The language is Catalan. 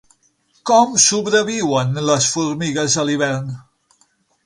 Com sobreviuen les formigues a l'hivern?